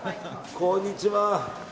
こんにちは。